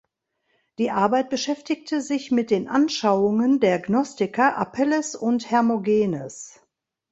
Die Arbeit beschäftigte sich mit den Anschauungen der Gnostiker Apelles und Hermogenes.